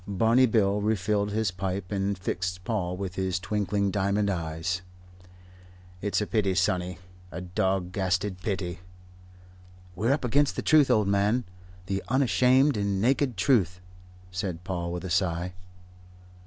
Barney Bill refilled his pipe and fixed Paul with his twinkling diamond eyes. "It's a pity, sonny a dodgasted pity!" "We're up against the Truth, old man, the unashamed and naked truth," said Paul, with a sigh.